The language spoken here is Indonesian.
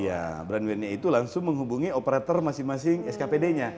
ya brand wear nya itu langsung menghubungi operator masing masing skpd nya